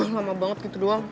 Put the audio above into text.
lama banget gitu doang